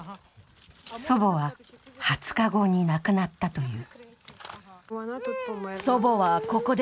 祖母は２０日後に亡くなったという。